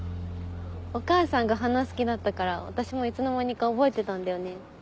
お母さんが花好きだったから私もいつの間にか覚えてたんだよね。